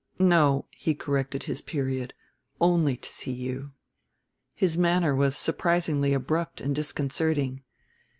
No," he corrected his period, "only to see you." His manner was surprisingly abrupt and disconcerting.